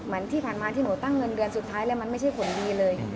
เหมือนที่ผ่านมาที่หนูตั้งเงินเดือนสุดท้ายแล้วมันไม่ใช่ผลดีเลย